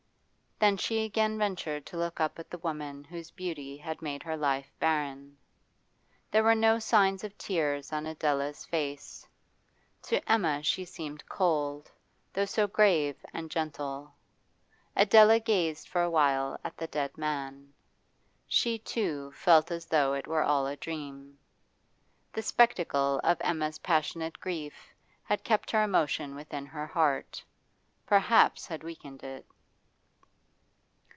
Then she again ventured to look up at the woman whose beauty had made her life barren. There were no signs of tears on Adela's face; to Emma she seemed cold, though so grave and gentle. Adela gazed for a while at the dead man. She, too, felt as though it were all a dream. The spectacle of Emma's passionate grief had kept her emotion within her heart, perhaps had weakened it.